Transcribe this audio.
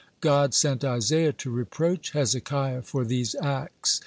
(85) God sent Isaiah to reproach Hezekiah for these acts.